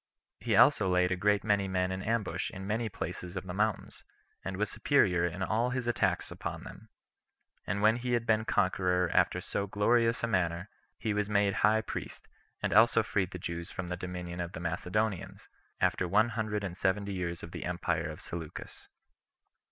He also laid a great many men in ambush in many places of the mountains, and was superior in all his attacks upon them; and when he had been conqueror after so glorious a manner, he was made high priest, and also freed the Jews from the dominion of the Macedonians, after one hundred and seventy years of the empire [of Seleucus].